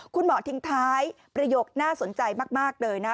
คุณหมอทิ้งท้ายประโยคน่าสนใจมากเลยนะ